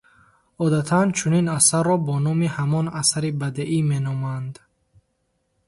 Одатан, чунин асарро бо номи ҳамон асари бадеӣ меноманд.